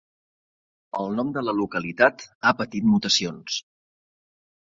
El nom de la localitat ha patit mutacions.